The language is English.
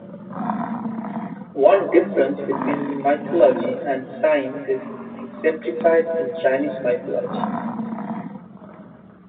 One difference between mythology and science is exemplified in Chinese mythology.